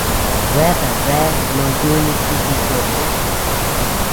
Bea deabea no yuni chi jichoó.